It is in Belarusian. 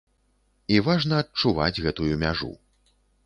І важна адчуваць гэтую мяжу.